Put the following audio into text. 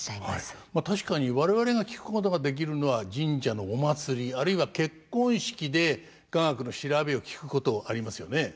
まあ確かに我々が聴くことができるのは神社のお祭りあるいは結婚式で雅楽の調べを聴くことありますよね。